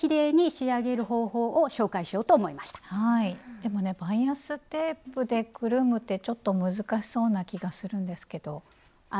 でもねバイアステープでくるむってちょっと難しそうな気がするんですけど？